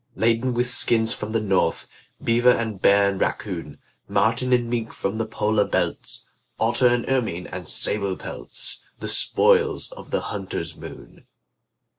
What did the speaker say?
Laden with skins from the north, Beaver and bear and raccoon, Marten and mink from the polar belts, Otter and ermine and sable pelts The spoils of the hunter's moon.